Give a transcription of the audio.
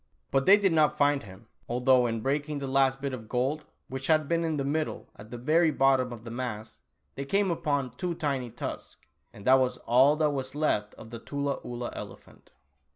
But they did not find him, although in breaking the last bit of gold, which had been in the middle at the very bottom of the mass, they came upon two tiny tusks ! And that was all that was left of the Tula Oolah elephant.